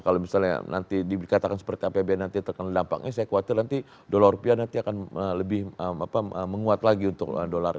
kalau misalnya nanti dikatakan seperti apbn nanti terkena dampaknya saya khawatir nanti dolar rupiah nanti akan lebih menguat lagi untuk dolar